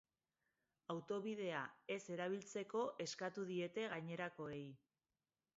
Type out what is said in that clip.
Autobidea ez erabiltzeko eskatu diete gainerakoei.